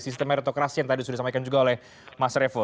sistem meritokrasi yang tadi sudah disampaikan juga oleh mas revo